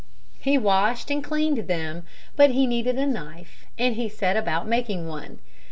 He washed and cleaned them, but he needed a knife and he set about making one.